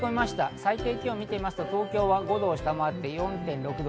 最低気温を見ると東京は５度を下回って４．６度。